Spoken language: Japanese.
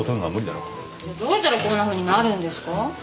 じゃあどうやったらこんなふうになるんですか？